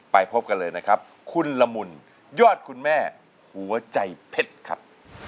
ไปพบกันเลยนะครับคุณละมุนยอดคุณแม่หัวใจเพชรครับ